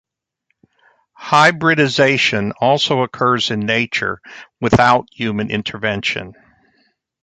Hybridisation also occurs in nature without human intervention.